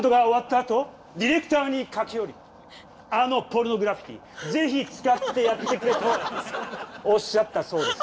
あとディレクターに駆け寄り「あの『ポルノグラフィティ』ぜひ使ってやってくれ」とおっしゃったそうです。